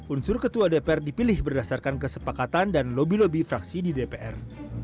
unsur ketua dpr dipilih berdasarkan kesepakatan dan lobby lobby fraksi di dpr